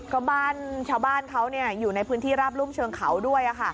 ก็บ้านชาวบ้านเขาอยู่ในพื้นที่ราบรุ่มเชิงเขาด้วย